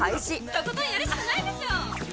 とことんやるしかないでしょ。